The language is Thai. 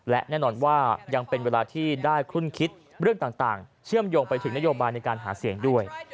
และแน่นอนว่ายังเป็นเวลาที่ได้คุ้นคิดเรื่องต่างเชื่อมโยงไปถึงนโยบายในการหาเสียงด้วย